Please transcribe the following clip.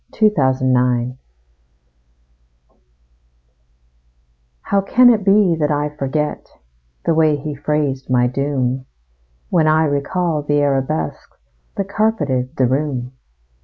Y Z Recollection HOW can it be that I forget The way he phrased my doom, When I recall the arabesques That carpeted the room?